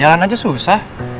ya i will be sparciatori ya